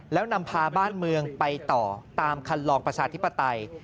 แล้วนำพาบ้านเมืองไปต่อตามคันลองประชาธิปไตย